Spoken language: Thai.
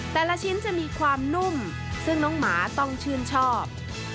แต่ละชิ้นจะมีความนุ่มซึ่งน้องหมาต้องชื่นชอบ